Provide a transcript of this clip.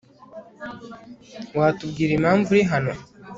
Watubwira impamvu uri hano